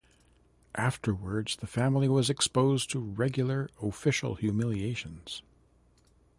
Afterwards, the family was exposed to regular official humiliations.